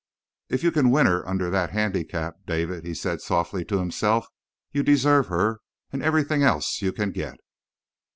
"If you can win her under that handicap, David," he said softly to himself, "you deserve her, and everything else you can get."